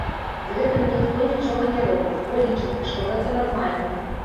З гэтым ніхто нічога не робіць, бо лічыцца, што гэта нармальна.